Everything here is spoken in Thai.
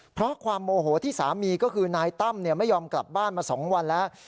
เพราะความโมโหที่สามีก็คือนายตั้มไม่ยอมกลับบ้านมา๒วันแล้ว